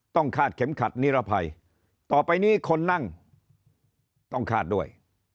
คาดเข็มขัดนิรภัยต่อไปนี้คนนั่งต้องคาดด้วย